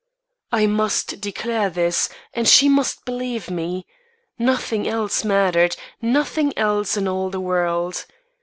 I must declare this, and she must believe me. Nothing else mattered nothing else in all the world.